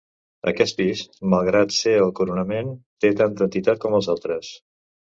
Aquest pis, malgrat ser el coronament, té tanta entitat com els altres.